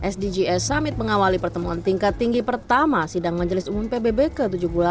sdgs summit mengawali pertemuan tingkat tinggi pertama sidang majelis umum pbb ke tujuh puluh delapan